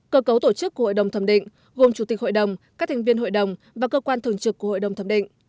cơ cấu tổ chức của hội đồng thẩm định gồm chủ tịch hội đồng các thành viên hội đồng và cơ quan thường trực của hội đồng thẩm định